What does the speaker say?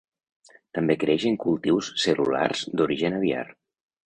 També creix en cultius cel·lulars d’origen aviar.